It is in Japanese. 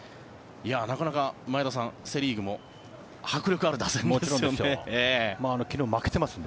なかなか前田さん、セ・リーグも迫力ある打線ですよ。